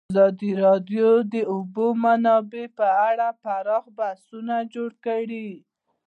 ازادي راډیو د د اوبو منابع په اړه پراخ بحثونه جوړ کړي.